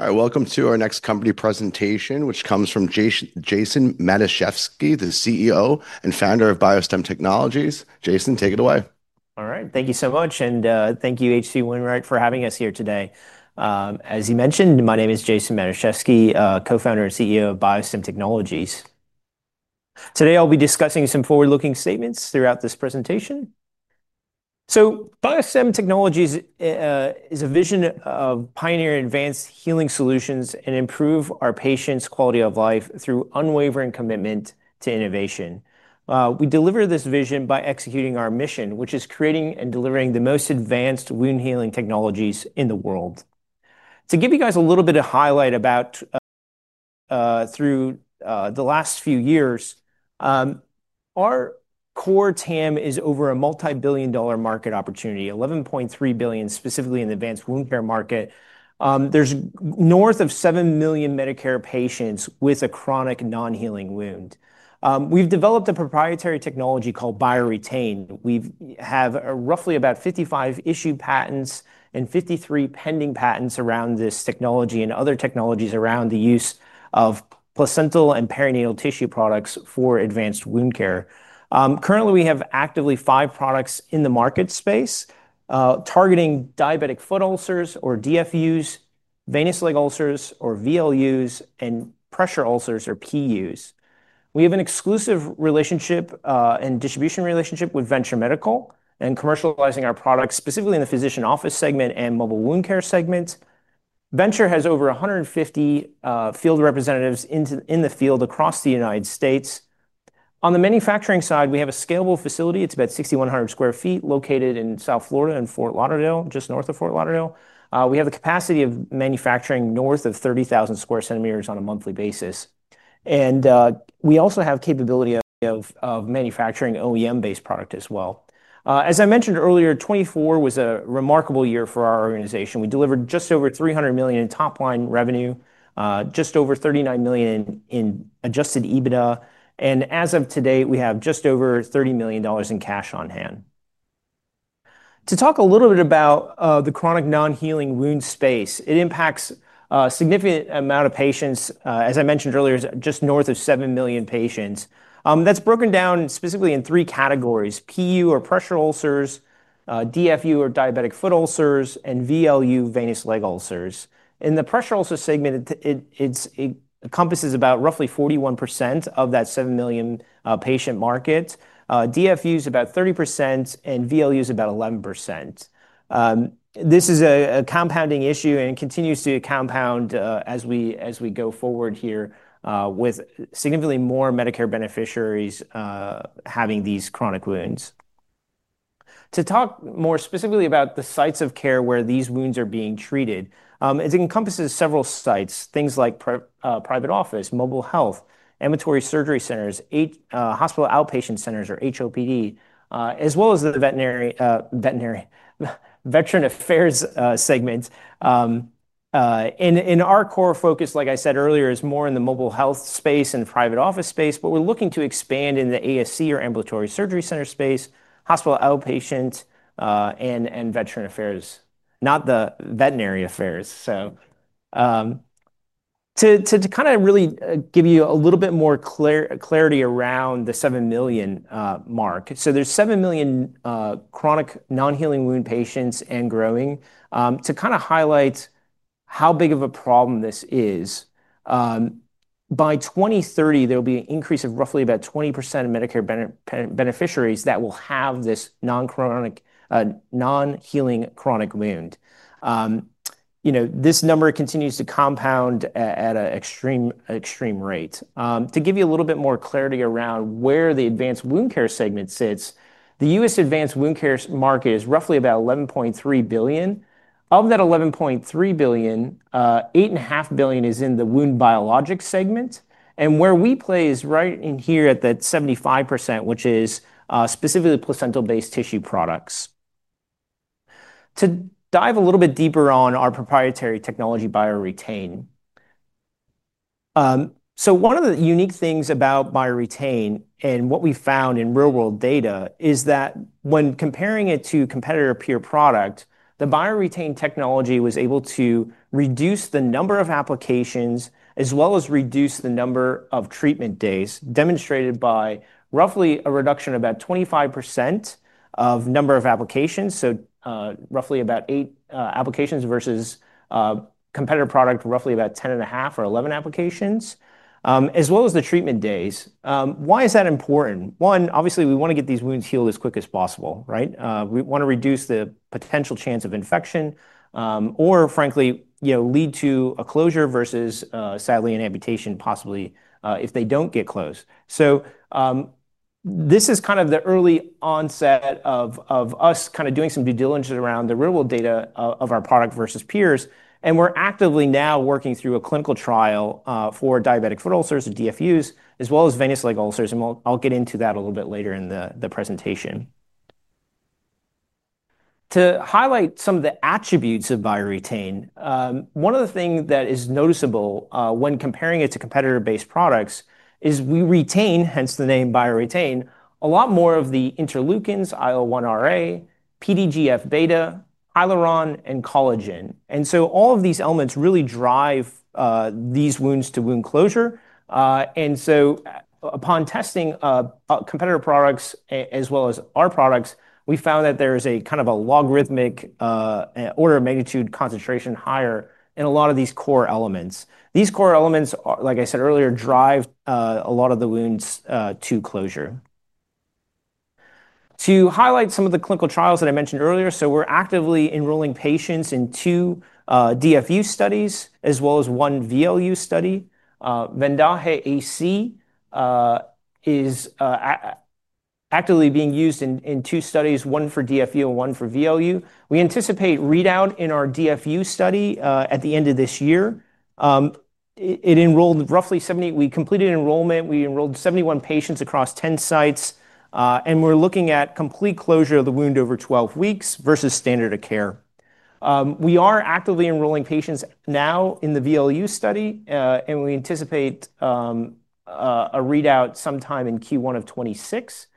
All right, welcome to our next company presentation, which comes from Jason Matuszewski, the CEO and founder of BioStem Technologies. Jason, take it away. All right, thank you so much. Thank you, HC Winrich, for having us here today. As you mentioned, my name is Jason Matuszewski, Co-Founder and CEO of BioStem Technologies. Today, I'll be discussing some forward-looking statements throughout this presentation. BioStem Technologies is a vision of pioneering advanced healing solutions and improving our patients' quality of life through unwavering commitment to innovation. We deliver this vision by executing our mission, which is creating and delivering the most advanced wound healing technologies in the world. To give you guys a little bit of highlight about, through the last few years, our core TAM is over a multi-billion dollar market opportunity, $11.3 billion specifically in the advanced wound care market. There's north of 7 million Medicare patients with a chronic non-healing wound. We've developed a proprietary technology called BioREtain®. We have roughly about 55 issued patents and 53 pending patents around this technology and other technologies around the use of placental and perinatal tissue products for advanced wound care. Currently, we have actively five products in the market space, targeting diabetic foot ulcers or DFUs, venous leg ulcers or VLUs, and pressure ulcers or PUs. We have an exclusive relationship and distribution relationship with Venture Medical and commercializing our products specifically in the physician office segment and mobile wound care segment. Venture has over 150 field representatives in the field across the United States. On the manufacturing side, we have a scalable facility. It's about 6,100 square feet located in South Florida in Fort Lauderdale, just north of Fort Lauderdale. We have the capacity of manufacturing north of 30,000 square centimeters on a monthly basis. We also have the capability of manufacturing OEM-based products as well. As I mentioned earlier, 2024 was a remarkable year for our organization. We delivered just over $300 million in top-line revenue, just over $39 million in adjusted EBITDA, and as of today, we have just over $30 million in cash on hand. To talk a little bit about the chronic non-healing wound space, it impacts a significant amount of patients. As I mentioned earlier, just north of 7 million patients. That's broken down specifically in three categories: PU or pressure ulcers, DFU or diabetic foot ulcers, and VLU, venous leg ulcers. In the pressure ulcer segment, it encompasses about roughly 41% of that 7 million patient market. DFU is about 30% and VLU is about 11%. This is a compounding issue and continues to compound as we go forward here, with significantly more Medicare beneficiaries having these chronic wounds. To talk more specifically about the sites of care where these wounds are being treated, it encompasses several sites, things like private office, mobile health, ambulatory surgery centers, hospital outpatient centers, or HOPD, as well as the veteran affairs segment. Our core focus, like I said earlier, is more in the mobile health space and private office space, but we're looking to expand in the ASC or ambulatory surgery center space, hospital outpatient, and veteran affairs, not the veterinary affairs. To kind of really give you a little bit more clarity around the 7 million mark, there's 7 million chronic non-healing wound patients and growing, to kind of highlight how big of a problem this is. By 2030, there'll be an increase of roughly about 20% of Medicare beneficiaries that will have this non-healing chronic wound. You know, this number continues to compound at an extreme, extreme rate. To give you a little bit more clarity around where the advanced wound care segment sits, the U.S. advanced wound care market is roughly about $11.3 billion. Of that $11.3 billion, $8.5 billion is in the wound biologic segment. Where we play is right in here at that 75%, which is specifically placental-based tissue products. To dive a little bit deeper on our proprietary technology, BioREtain®. One of the unique things about BioREtain® and what we found in real-world data is that when comparing it to competitor-peer products, the BioREtain® technology was able to reduce the number of applications as well as reduce the number of treatment days, demonstrated by roughly a reduction of about 25% of number of applications. So, roughly about eight applications versus a competitor product, roughly about 10.5 or 11 applications, as well as the treatment days. Why is that important? One, obviously, we want to get these wounds healed as quick as possible, right? We want to reduce the potential chance of infection, or frankly, you know, lead to a closure versus saline amputation, possibly, if they don't get closed. This is kind of the early onset of us doing some due diligence around the real-world data of our product versus peers. We're actively now working through a clinical trial for diabetic foot ulcers and DFUs, as well as venous leg ulcers. I'll get into that a little bit later in the presentation. To highlight some of the attributes of BioREtain®, one of the things that is noticeable when comparing it to competitor-based products is we retain, hence the name BioREtain®, a lot more of the interleukins, IL-1RA, PDGF-beta, hyaluron, and collagen. All of these elements really drive these wounds to wound closure. Upon testing competitor products as well as our products, we found that there is a kind of a logarithmic order of magnitude concentration higher in a lot of these core elements. These core elements, like I said earlier, drive a lot of the wounds to closure. To highlight some of the clinical trials that I mentioned earlier, we're actively enrolling patients in two DFU studies, as well as one VLU study. VENDAJE AC® is actively being used in two studies, one for DFU and one for VLU. We anticipate readout in our DFU study at the end of this year. It enrolled roughly 70. We completed enrollment. We enrolled 71 patients across 10 sites, and we're looking at complete closure of the wound over 12 weeks versus standard of care. We are actively enrolling patients now in the VLU study, and we anticipate a readout sometime in Q1 of 2026.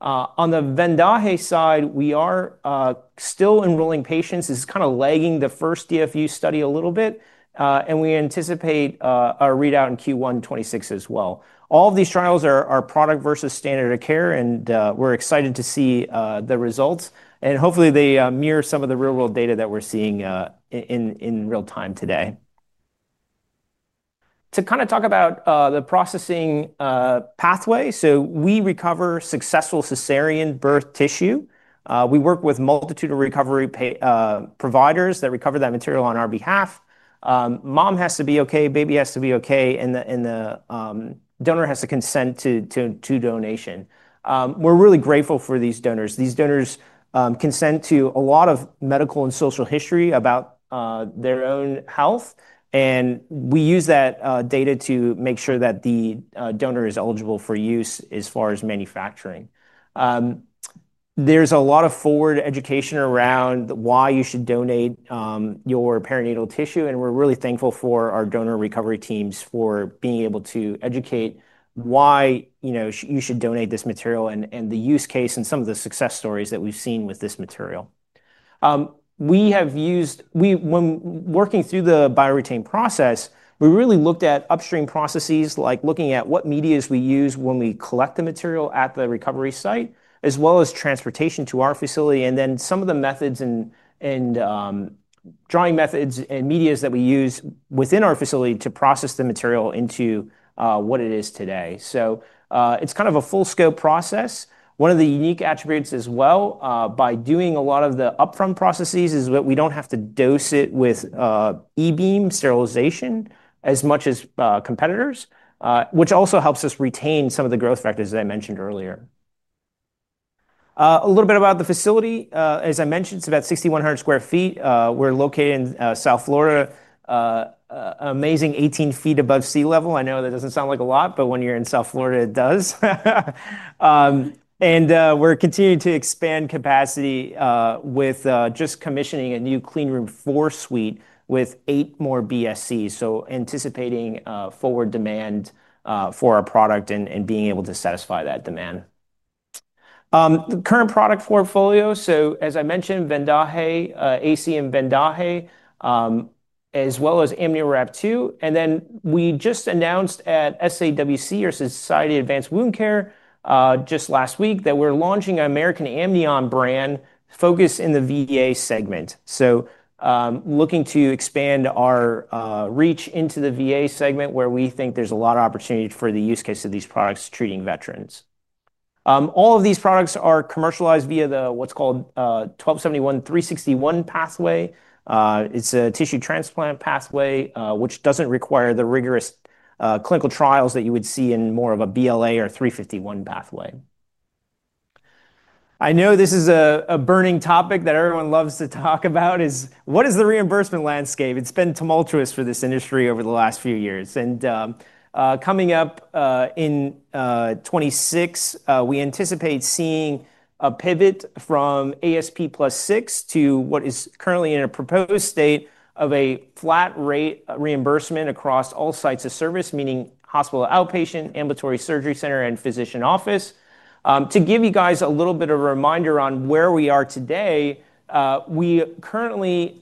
On the VENDAJE® side, we are still enrolling patients. This is kind of lagging the first DFU study a little bit, and we anticipate a readout in Q1 of 2026 as well. All of these trials are product versus standard of care, and we're excited to see the results. Hopefully, they mirror some of the real-world data that we're seeing in real time today. To talk about the processing pathway, we recover successful cesarean birth tissue. We work with a multitude of recovery providers that recover that material on our behalf. Mom has to be okay, baby has to be okay, and the donor has to consent to donation. We're really grateful for these donors. These donors consent to a lot of medical and social history about their own health. We use that data to make sure that the donor is eligible for use as far as manufacturing. There's a lot of forward education around why you should donate your perinatal tissue. We're really thankful for our donor recovery teams for being able to educate why, you know, you should donate this material and the use case and some of the success stories that we've seen with this material. We have used, we, when working through the BioREtain® process, we really looked at upstream processes, like looking at what medias we use when we collect the material at the recovery site, as well as transportation to our facility, and then some of the methods and drawing methods and medias that we use within our facility to process the material into what it is today. It's kind of a full-scope process. One of the unique attributes as well, by doing a lot of the upfront processes, is that we don't have to dose it with e-beam sterilization as much as competitors, which also helps us retain some of the growth factors that I mentioned earlier. A little bit about the facility. As I mentioned, it's about 6,100 square feet. We're located in South Florida, amazing 18 feet above sea level. I know that doesn't sound like a lot, but when you're in South Florida, it does. We're continuing to expand capacity, with just commissioning a new clean room four suite with eight more BSCs. Anticipating forward demand for our product and being able to satisfy that demand. The current product portfolio, as I mentioned, VENDAJE AC®, VENDAJE®, as well as AmnioWrap2™. We just announced at SAWC, or Society of Advanced Wound Care, just last week that we're launching an American Amnion brand focused in the VA segment. Looking to expand our reach into the VA segment where we think there's a lot of opportunity for the use case of these products treating veterans. All of these products are commercialized via what's called the 1271-361 pathway. It's a tissue transplant pathway, which doesn't require the rigorous clinical trials that you would see in more of a BLA or 351 pathway. I know this is a burning topic that everyone loves to talk about: what is the reimbursement landscape? It's been tumultuous for this industry over the last few years. Coming up in 2026, we anticipate seeing a pivot from ASP plus six to what is currently in a proposed state of a flat-rate reimbursement across all sites of service, meaning hospital outpatient, ambulatory surgery center, and physician office. To give you guys a little bit of a reminder on where we are today, we currently,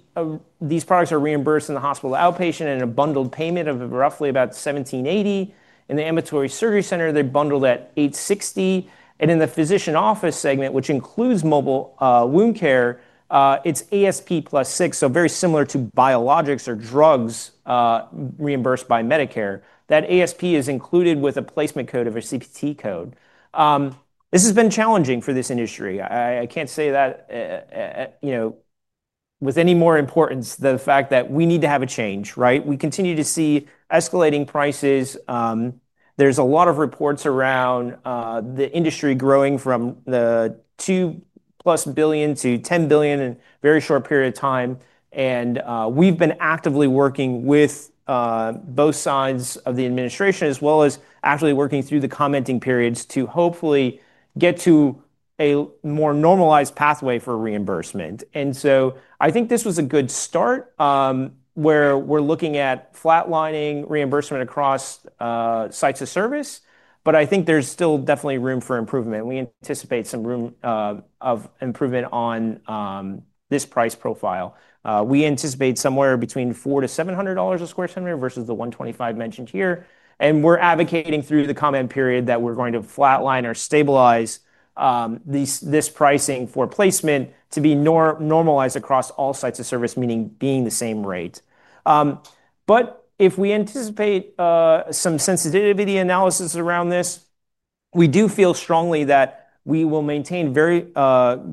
these products are reimbursed in the hospital outpatient and a bundled payment of roughly about $1,780. In the ambulatory surgery center, they're bundled at $860. In the physician office segment, which includes mobile wound care, it's ASP plus 6, so very similar to biologics or drugs, reimbursed by Medicare. That ASP is included with a placement code of a CPT code. This has been challenging for this industry. I can't say that with any more importance than the fact that we need to have a change, right? We continue to see escalating prices. There's a lot of reports around the industry growing from the $2+ billion to $10 billion in a very short period of time. We've been actively working with both sides of the administration as well as actively working through the commenting periods to hopefully get to a more normalized pathway for reimbursement. I think this was a good start, where we're looking at flatlining reimbursement across sites of service. I think there's still definitely room for improvement. We anticipate some room of improvement on this price profile. We anticipate somewhere between $400 to $700 a square centimeter versus the $125 mentioned here. We're advocating through the comment period that we're going to flatline or stabilize this pricing for placement to be normalized across all sites of service, meaning being the same rate. If we anticipate some sensitivity analysis around this, we do feel strongly that we will maintain very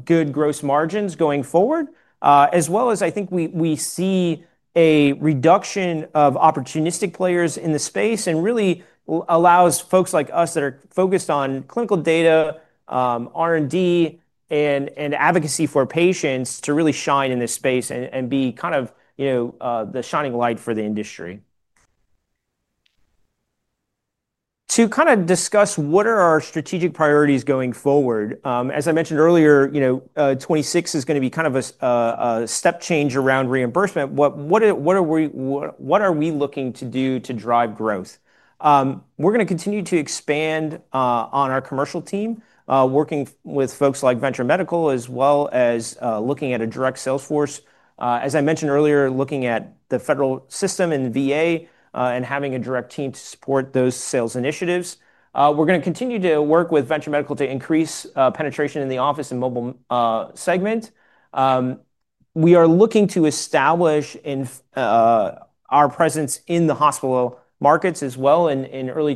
good gross margins going forward, as well as I think we see a reduction of opportunistic players in the space and it really allows folks like us that are focused on clinical data, R&D, and advocacy for patients to really shine in this space and be kind of, you know, the shining light for the industry. To kind of discuss what are our strategic priorities going forward. As I mentioned earlier, you know, 2026 is going to be kind of a step change around reimbursement. What are we looking to do to drive growth? We're going to continue to expand on our commercial team, working with folks like Venture Medical as well as looking at a direct sales force. As I mentioned earlier, looking at the federal system and VA, and having a direct team to support those sales initiatives. We're going to continue to work with Venture Medical to increase penetration in the office and mobile segment. We are looking to establish our presence in the hospital markets as well in early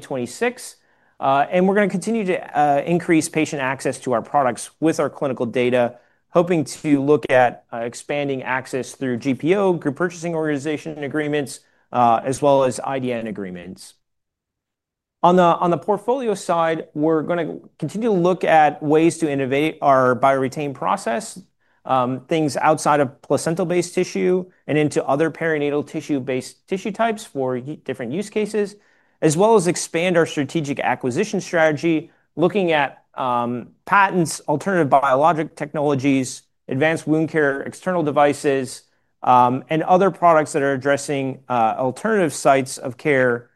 2026. We're going to continue to increase patient access to our products with our clinical data, hoping to look at expanding access through GPO, group purchasing organization agreements, as well as IDN agreements. On the portfolio side, we're going to continue to look at ways to innovate our BioREtain® process, things outside of placental-based tissue and into other perinatal tissue-based tissue types for different use cases, as well as expand our strategic acquisition strategy, looking at patents, alternative biologic technologies, advanced wound care external devices, and other products that are addressing alternative sites of care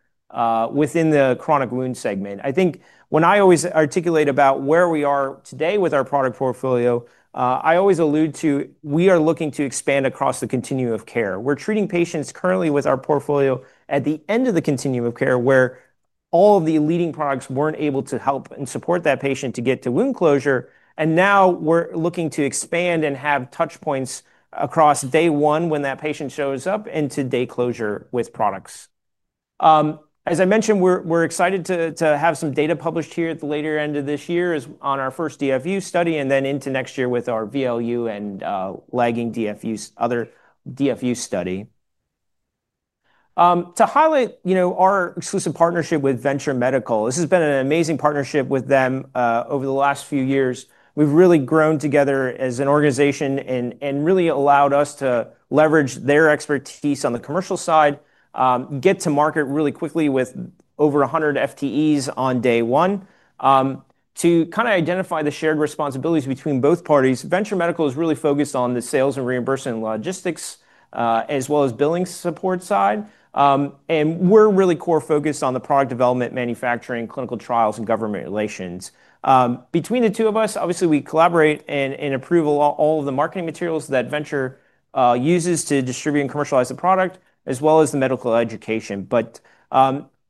within the chronic wound segment. I think when I always articulate about where we are today with our product portfolio, I always allude to we are looking to expand across the continuum of care. We're treating patients currently with our portfolio at the end of the continuum of care where all the leading products weren't able to help and support that patient to get to wound closure. Now we're looking to expand and have touchpoints across day one when that patient shows up into day closure with products. As I mentioned, we're excited to have some data published here at the later end of this year on our first DFU study and then into next year with our VLU and lagging DFUs, other DFU study. To highlight our exclusive partnership with Venture Medical, this has been an amazing partnership with them over the last few years. We've really grown together as an organization and really allowed us to leverage their expertise on the commercial side, get to market really quickly with over 100 FTEs on day one. To kind of identify the shared responsibilities between both parties, Venture Medical is really focused on the sales and reimbursement logistics, as well as billing support side. We're really core focused on the product development, manufacturing, clinical trials, and government relations. Between the two of us, obviously, we collaborate and approve all of the marketing materials that Venture uses to distribute and commercialize the product, as well as the medical education.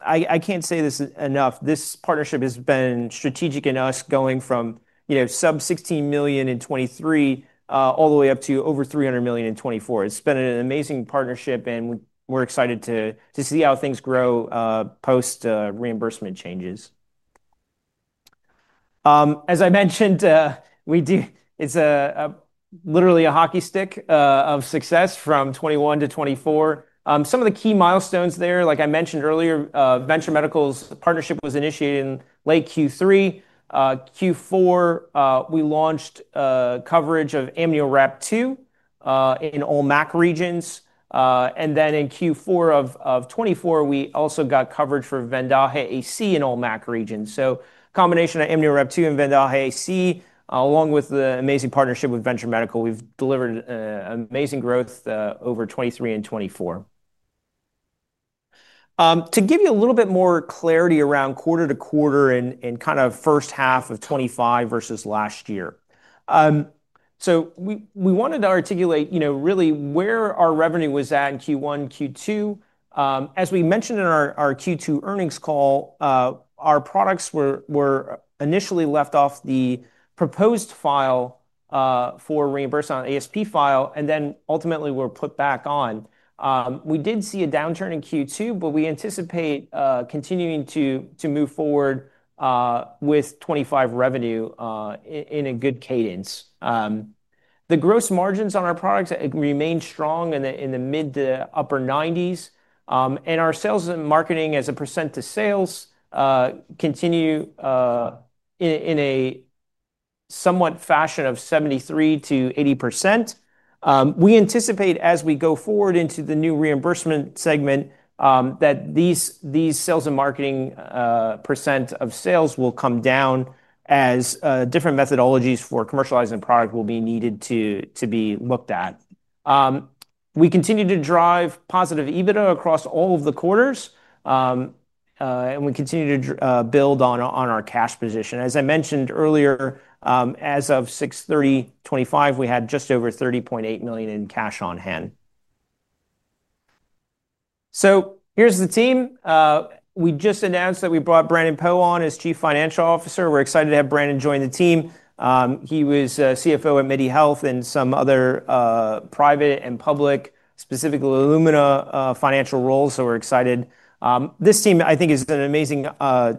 I can't say this enough. This partnership has been strategic in us going from, you know, sub $16 million in 2023, all the way up to over $300 million in 2024. It's been an amazing partnership, and we're excited to see how things grow, post reimbursement changes. As I mentioned, we do, it's a, literally a hockey stick, of success from 2021 to 2024. Some of the key milestones there, like I mentioned earlier, Venture Medical's partnership was initiated in late Q3. Q4, we launched coverage of AmnioWrap2™ in all MAC regions. In Q4 of 2024, we also got coverage for VENDAJE AC® in all MAC regions. A combination of AmnioWrap2™ and VENDAJE AC®, along with the amazing partnership with Venture Medical, we've delivered amazing growth over 2023 and 2024. To give you a little bit more clarity around quarter to quarter and kind of first half of 2025 versus last year, we wanted to articulate, you know, really where our revenue was at in Q1 and Q2. As we mentioned in our Q2 earnings call, our products were initially left off the proposed file for reimbursement on ASP file, and then ultimately were put back on. We did see a downturn in Q2, but we anticipate continuing to move forward with 2025 revenue in a good cadence. The gross margins on our products remain strong in the mid to upper 90%. Our sales and marketing as a percent to sales continue in a somewhat fashion of 73% to 80%. We anticipate as we go forward into the new reimbursement segment that these sales and marketing percent of sales will come down as different methodologies for commercializing the product will be needed to be looked at. We continue to drive positive EBITDA across all of the quarters and we continue to build on our cash position. As I mentioned earlier, as of 6/30/2025, we had just over $30.8 million in cash on hand. Here's the team. We just announced that we brought Brandon Poe on as Chief Financial Officer. We're excited to have Brandon join the team. He was a CFO at MIDI Health and some other private and public, specifically Lumina, financial roles. We're excited. This team, I think, is an amazing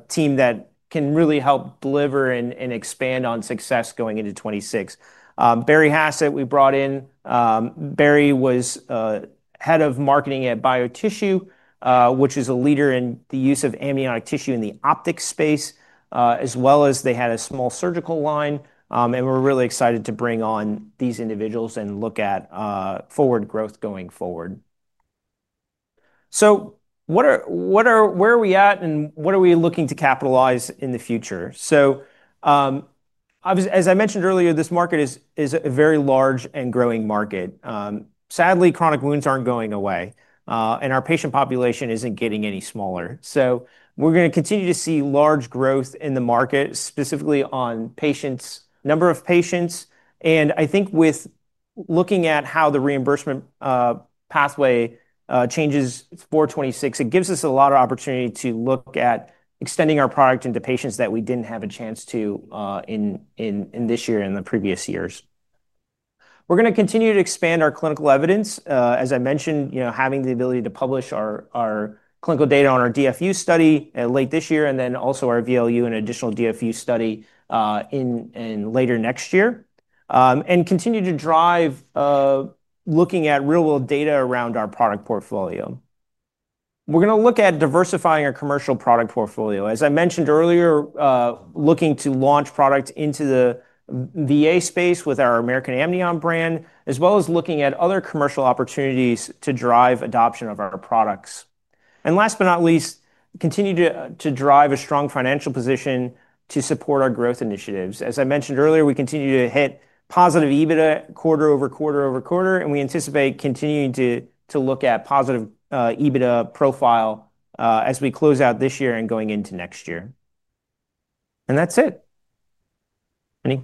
team that can really help deliver and expand on success going into 2026. Barry Hassett, we brought in. Barry was Head of Marketing at BioTissue, which is a leader in the use of amniotic tissue in the optics space, as well as they had a small surgical line. We're really excited to bring on these individuals and look at forward growth going forward. What are we at and what are we looking to capitalize in the future? As I mentioned earlier, this market is a very large and growing market. Sadly, chronic wounds aren't going away, and our patient population isn't getting any smaller. We're going to continue to see large growth in the market, specifically on number of patients. I think with looking at how the reimbursement pathway changes for 2026, it gives us a lot of opportunity to look at extending our product into patients that we didn't have a chance to in this year and the previous years. We're going to continue to expand our clinical evidence. As I mentioned, having the ability to publish our clinical data on our DFU study late this year and then also our VLU and additional DFU study later next year, and continue to drive looking at real-world data around our product portfolio. We're going to look at diversifying our commercial product portfolio. As I mentioned earlier, looking to launch products into the VA space with our American Amnion brand, as well as looking at other commercial opportunities to drive adoption of our products. Last but not least, continue to drive a strong financial position to support our growth initiatives. As I mentioned earlier, we continue to hit positive EBITDA quarter over quarter over quarter, and we anticipate continuing to look at positive EBITDA profile as we close out this year and going into next year. That's it. Any.